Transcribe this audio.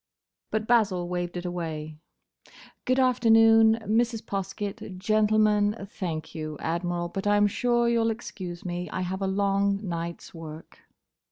But Basil waved it away. "Good afternoon, Mrs. Poskett—Gentlemen. Thank you, Admiral, but I 'm sure you 'll excuse me. I have a long night's work."